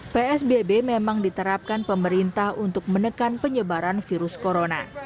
psbb memang diterapkan pemerintah untuk menekan penyebaran virus corona